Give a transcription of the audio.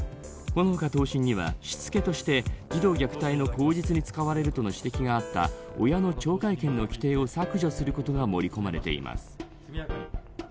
この他、投信には、しつけとして児童虐待の口実に使われるとの指摘があった親の懲戒権の規定を削除することが盛り込まれています。